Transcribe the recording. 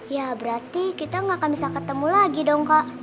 ya berarti kita nggak akan bisa ketemu lagi dong kak